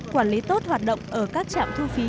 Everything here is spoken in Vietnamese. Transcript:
quản lý tốt hoạt động ở các trạm thu phí